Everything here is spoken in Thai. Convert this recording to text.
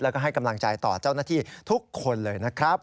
แล้วก็ให้กำลังใจต่อเจ้าหน้าที่ทุกคนเลยนะครับ